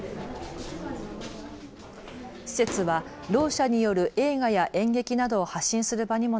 施設はろう者による映画や演劇などを発信する場にも